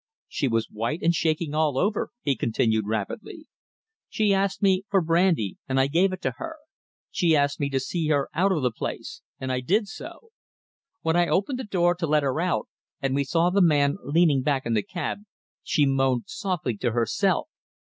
"She was white and shaking all over," he continued rapidly. "She asked me for brandy and I gave it to her; she asked me to see her out of the place, and I did so. When I opened the door to let her out and we saw the man leaning back in the cab, she moaned softly to herself.